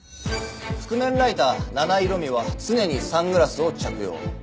覆面ライター七井路美は常にサングラスを着用。